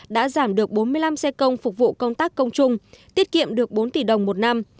đã giảm được bốn mươi năm xe công phục vụ công tác công chung tiết kiệm được bốn tỷ đồng một năm